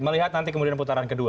melihat nanti kemudian putaran ke dua